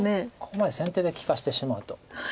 ここまで先手で利かしてしまうと。